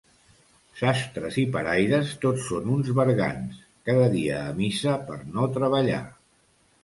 Sastres i paraires tots són uns bergants; cada dia a missa per no treballar.